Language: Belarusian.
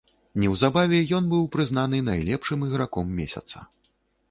Неўзабаве ён быў прызнаны найлепшым іграком месяца.